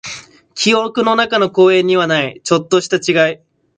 記憶の中の公園にはない、ちょっとした違い。